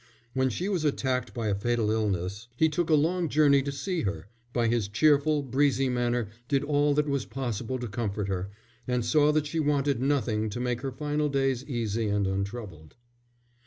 When she was attacked by a fatal illness he took a long journey to see her, by his cheerful, breezy manner did all that was possible to comfort her, and saw that she wanted nothing to make her final days easy and untroubled.